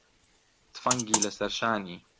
تفەنگی لەسەر شانی